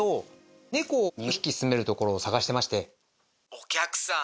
お客さん